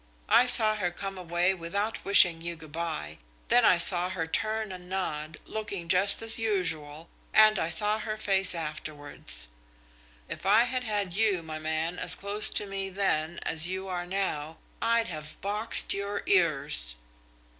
I saw her come away without wishing you good by, then I saw her turn and nod, looking just as usual, and I saw her face afterwards. If I had had you, my man, as close to me then as you are now, I'd have boxed your ears."